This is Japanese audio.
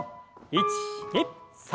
１２３！